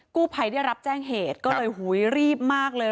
กู้ภัยได้รับแจ้งเหตุก็เลยหุยรีบมากเลย